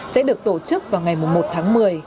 sẽ được tổ chức vào ngày một tháng một mươi